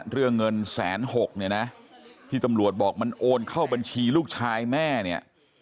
เรื่องเงินแสนหกเนี่ยนะที่ตำรวจบอกมันโอนเข้าบัญชีลูกชายแม่เนี่ย